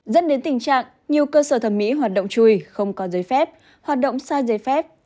dẫn đến tình trạng nhiều cơ sở thẩm mỹ hoạt động chui không có giấy phép hoạt động sai giấy phép